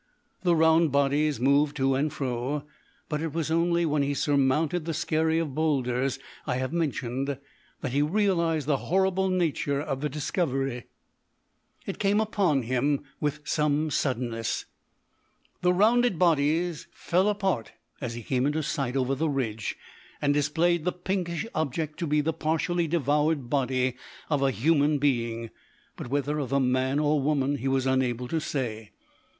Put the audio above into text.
The round bodies moved to and fro, but it was only when he surmounted the skerry of boulders I have mentioned that he realised the horrible nature of the discovery. It came upon him with some suddenness. The rounded bodies fell apart as he came into sight over the ridge, and displayed the pinkish object to be the partially devoured body of a human being, but whether of a man or woman he was unable to say.